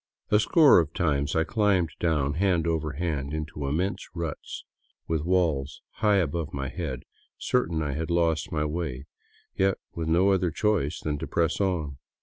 A score of times I climbed down hand over hand into immense ruts with walls high above my head, certain I had lost my way, yet with no other choice than to press on.